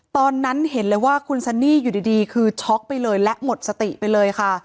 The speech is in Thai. ตอนนั้นเห็นเลยว่าคุณซันนี่อยู่ดีคือช็อกไปเลยและหมดสติไปเลยค่ะ